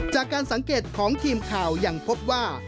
จากการสังเกตของทีมข่าวยังพบว่า